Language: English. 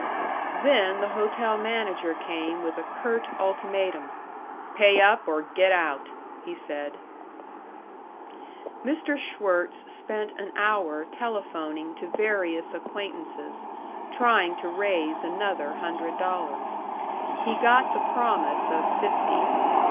Then the hotel manager came with a curt ultimatum: "Pay up or get out," he said. Mr. Schwirtz spent an hour telephoning to various acquaintances, trying to raise another hundred dollars. He got the promise of fifty.